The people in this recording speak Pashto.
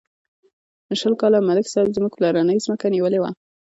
شل کاله ملک صاحب زموږ پلرنۍ ځمکه نیولې وه.